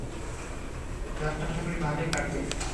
রাতটা আশা করি ভালোই কাটবে।